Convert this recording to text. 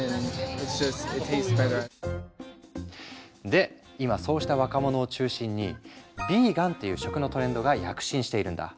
で今そうした若者を中心にヴィーガンっていう食のトレンドが躍進しているんだ。